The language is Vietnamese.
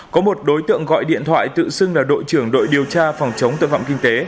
có một đối tượng gọi điện thoại tự xưng là đội trưởng đội điều tra phòng chống tội phạm kinh tế